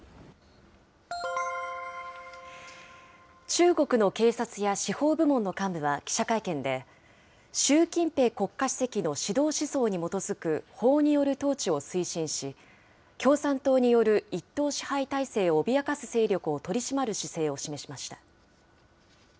中国の警察や司法部門の幹部は記者会見で、習近平国家主席の指導思想に基づく法による統治を推進し、共産党による一党支配体制を脅かす勢力を取り締まる姿勢を示しました。